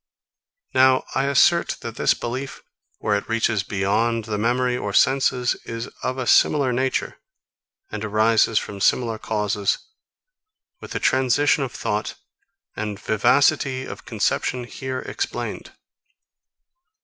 Now I assert, that this belief, where it reaches beyond the memory or senses, is of a similar nature, and arises from similar causes, with the transition of thought and vivacity of conception here explained.